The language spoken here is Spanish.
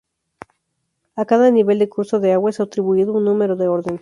A cada nivel de curso de agua es atribuido un número de orden.